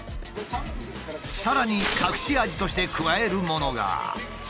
さらに隠し味として加えるものが。